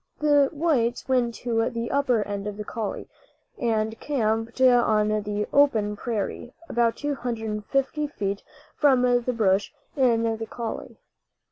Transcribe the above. The whites went to the upper end of the Coulie, and camped on the open prairie, about 250 feet from the brush in the coulie.